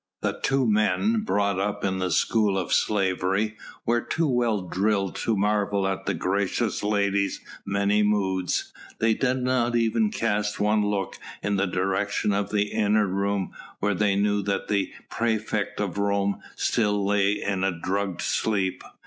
The two men brought up in the school of slavery, were too well drilled to marvel at the gracious lady's many moods; they did not even cast one look in the direction of the inner room where they knew that the praefect of Rome still lay in a drugged sleep.